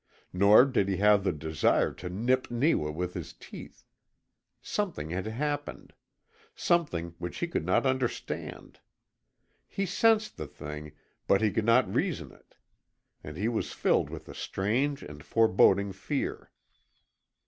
Nor did he have the desire to nip Neewa with his teeth. Something had happened something which he could not understand. He sensed the thing, but he could not reason it. And he was filled with a strange and foreboding fear.